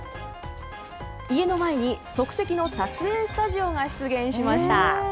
家の前に即席の撮影スタジオが出現しました。